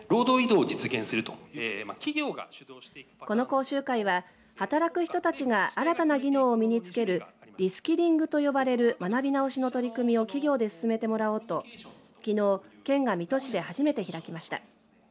この講習会は働く人たちが新たな技能を身につけるリスキリングと呼ばれる学び直しの取り組みを企業で進めてもらおうときのう県が水戸市で初めて開きました。